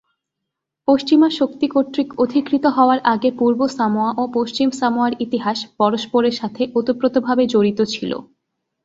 পশ্চিমা শক্তি কর্তৃক অধিকৃত হওয়ার আগে পূর্ব সামোয়া ও পশ্চিম সামোয়ার ইতিহাস পরস্পরের সাথে ওতপ্রোতভাবে জড়িত ছিল।